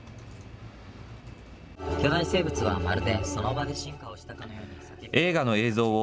巨大生物はまるでその場で進化をしたかのように。